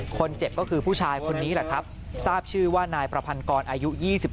คนเจ็บก็คือผู้ชายคนนี้แหละครับทราบชื่อว่านายประพันกรอายุ๒๓